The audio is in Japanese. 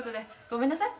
ごめんなさい。